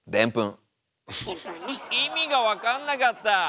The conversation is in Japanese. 意味が分かんなかった！